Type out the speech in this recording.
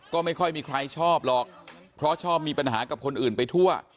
ก็ไม่ค่อยมีใครชอบหรอกเพราะชอบมีปัญหากับคนอื่นไปทั่ว